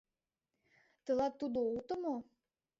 — Тылат тудо уто мо?..